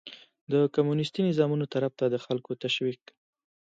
د کمونيستي نظامونو طرف ته د خلکو تشويق